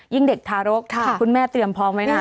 เด็กทารกคุณแม่เตรียมพร้อมไว้นะ